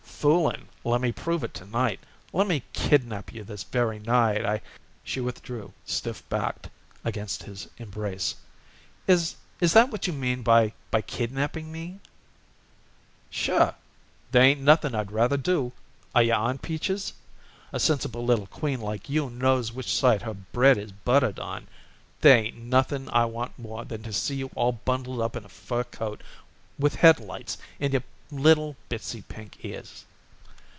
"Fooling! Lemme prove it, to night. Lemme kidnap you this very night. I " She withdrew stiff backed against his embrace. "Is is that what you mean by by kidnapping me?" "Sure. There ain't nothing I'd rather do. Are you on, Peaches? A sensible little queen like you knows which side her bread is buttered on. There ain't nothing I want more than to see you all bundled up in a fur coat with headlights in your little bittsie pink ears."